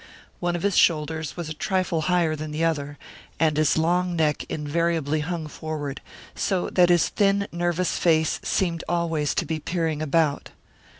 One of his shoulders was a trifle higher than the other, and his long neck invariably hung forward, so that his thin, nervous face seemed always to be peering about.